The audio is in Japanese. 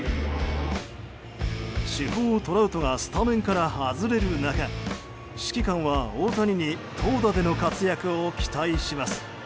主砲トラウトがスタメンから外れる中指揮官は大谷に投打での活躍を期待します。